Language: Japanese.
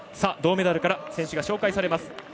銅メダルから選手が紹介されます。